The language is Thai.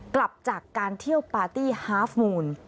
กลับจากการเที่ยวปาร์ตี้ฮาฟมูล